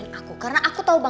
tuh pas n adulthood